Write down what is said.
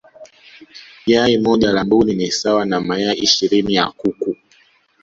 yai moja la mbuni ni sawa na mayai ishirini ya kuku